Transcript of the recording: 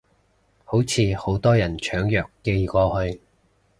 好似好多人搶藥寄過去